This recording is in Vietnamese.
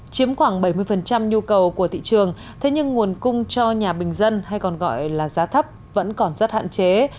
chiếm khoảng bảy mươi nhu cầu của thị trường thế nhưng nguồn cung cho nhà bình dân hay còn gọi là giá thấp vẫn còn rất hạn chế